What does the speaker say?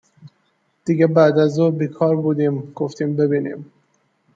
دیگه بعد از ظهر بیکار بودیم گفتیم ببینیم